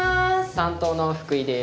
担当の福井です。